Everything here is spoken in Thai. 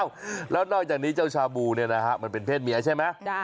อ้าวแล้วนอกจากนี้เจ้าชาบูมันเป็นเพศเมียใช่ไหม